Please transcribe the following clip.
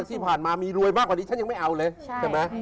ที่ผ่านมามีรวยมากกว่านี้ฉันยังไม่เอาเลยใช่ไหม